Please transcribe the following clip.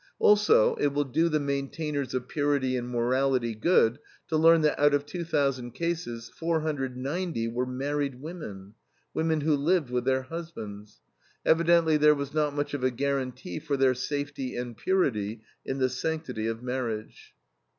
Also it will do the maintainers of purity and morality good to learn that out of two thousand cases, 490 were married women, women who lived with their husbands. Evidently there was not much of a guaranty for their "safety and purity" in the sanctity of marriage.